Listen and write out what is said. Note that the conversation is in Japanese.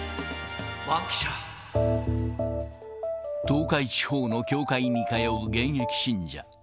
東海地方の教会に通う現役信者。